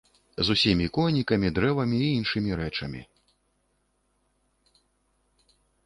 З усімі конікамі, дрэвамі і іншымі рэчамі.